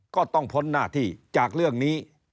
ก็ต้องพ้นหน้าที่จากเรื่องนี้